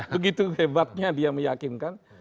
begitu hebatnya dia meyakinkan